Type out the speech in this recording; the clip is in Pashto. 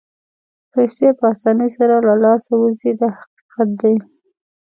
پیسې په اسانۍ سره له لاسه وځي دا حقیقت دی.